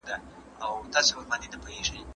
ښوونځی د ماشومانو د پرمختګ لپاره مهم مرکز دی.